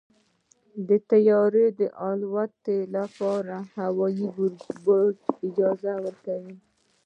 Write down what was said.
د طیارې د الوت لپاره هوايي برج اجازه ورکوي.